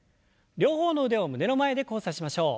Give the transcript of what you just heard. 両方の腕を胸の前で交差しましょう。